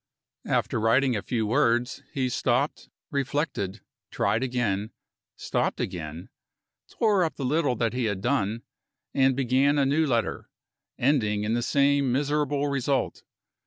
After writing a few words, he stopped reflected tried again stopped again tore up the little that he had done and began a new letter, ending in the same miserable result.